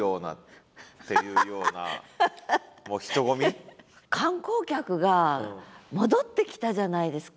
これ何か観光客が戻ってきたじゃないですか。